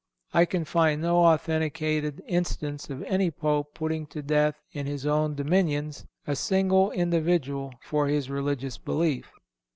I can find no authenticated instance of any Pope putting to death, in his own dominions, a single individual for his religious belief.